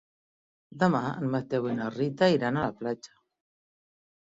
Demà en Mateu i na Rita iran a la platja.